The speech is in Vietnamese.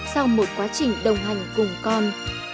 còn một quá trình đồng hành cùng con